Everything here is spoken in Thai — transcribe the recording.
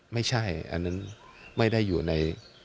ไม่ใช่อันนั้นไม่ได้อยู่ใน